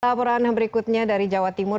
laporan berikutnya dari jawa timur